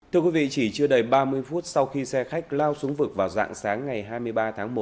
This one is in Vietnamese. thưa quý vị chỉ chưa đầy ba mươi phút sau khi xe khách lao xuống vực vào dạng sáng ngày hai mươi ba tháng một